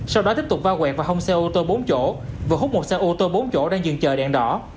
sau đó tiếp tục va quẹt và hông xe ô tô bốn chỗ vừa hút một xe ô tô bốn chỗ đang dừng chờ đèn đỏ